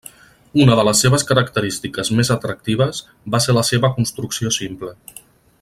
Una de les seves característiques més atractives va ser la seva construcció simple.